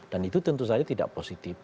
dan itu tentu saja tidak positif